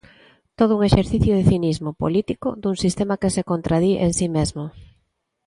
Todo un exercicio de cinismo político dun sistema que se contradí en si mesmo.